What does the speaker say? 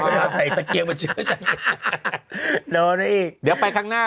มาใส่ตะเกียงมาชื่อฉัน